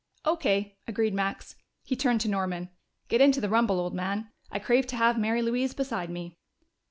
"O.K.," agreed Max. He turned to Norman. "Get into the rumble, old man. I crave to have Mary Louise beside me."